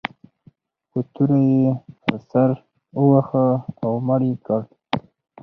په توره یې پر سر وواهه او مړ یې کړ.